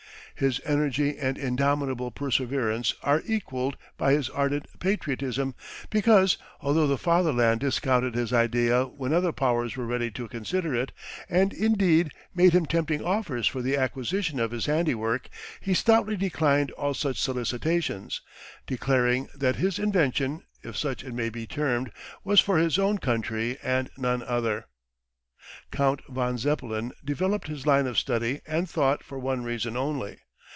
His energy and indomitable perseverance are equalled by his ardent patriotism, because, although the Fatherland discounted his idea when other Powers were ready to consider it, and indeed made him tempting offers for the acquisition of his handiwork, he stoutly declined all such solicitations, declaring that his invention, if such it may be termed, was for his own country and none other. Count von Zeppelin developed his line of study and thought for one reason only.